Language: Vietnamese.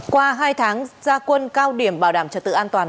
qua hai tháng gia quân cao điểm bảo đảm trật tự an toàn